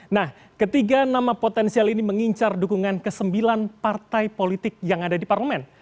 nah ketiga nama potensial ini mengincar dukungan ke sembilan partai politik yang ada di parlemen